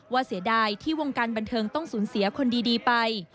เสียดายที่วงการบันเทิงต้องสูญเสียคนดีไป